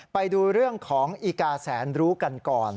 ไปดูเรื่องของอีกาแสนรู้กันก่อน